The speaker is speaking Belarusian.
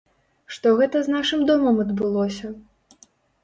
Што гэта з нашым домам адбылося?